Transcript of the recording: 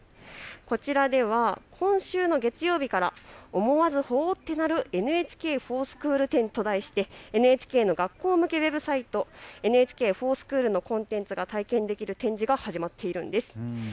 こちらでは今週の月曜日から思わずほぉってなるＮＨＫｆｏｒＳｃｈｏｏｌ展と題してＮＨＫの学校向けウェブサイト、コンテンツに触れることができる展示が始まってます。